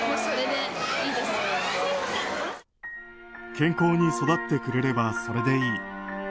健康に育ってくれればそれでいい。